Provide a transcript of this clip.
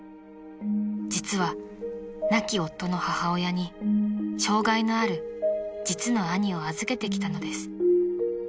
［実は亡き夫の母親に障害のある実の兄を預けてきたのです］